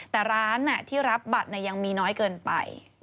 แต่ร้านที่รับบัตรยังมีน้อยเกินไป